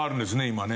今ね。